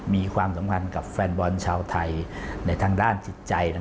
มีความสัมพันธ์กับแฟนบอลชาวไทยในทางด้านจิตใจ